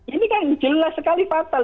ini kan jelas sekali fatal